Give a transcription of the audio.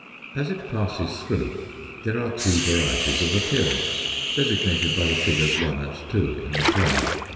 As it passes through there are two varieties of appearance designated by the figures 1 and 2 in the plane.